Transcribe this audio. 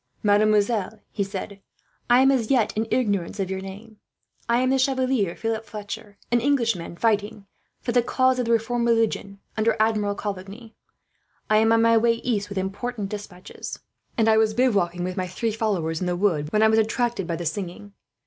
"Mademoiselle," he said, "I am as yet in ignorance of your name. I am the Chevalier Philip Fletcher, an English gentleman fighting for the cause of the reformed religion, under Admiral Coligny. I am on my way east, with important despatches; and I was bivouacking with my three followers in the wood, when I was attracted by the singing.